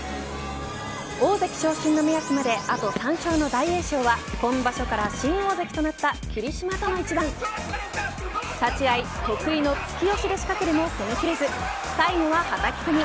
大関昇進の目安まであと３勝の大栄翔は今場所から新大関となった霧島との一番立ち会い、得意の突き押しで仕掛けるも、攻めきれず最後ははたき込み。